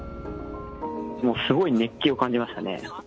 もうすごい熱気を感じましたね。